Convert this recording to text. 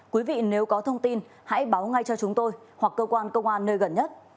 quý vị nếu có thông tin hãy báo ngay cho chúng tôi hoặc cơ quan công an nơi gần nhất